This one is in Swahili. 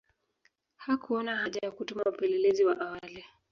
Hakuona haja ya kutuma wapelelezi wa awali